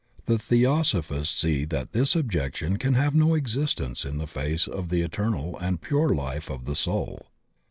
The Theosophists see that this objection can have no existence in the face of the eternal and pure life of the soul.